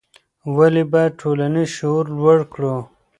ولې باید ټولنیز شعور لوړ کړو؟